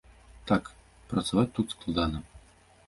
Так, працаваць тут складана.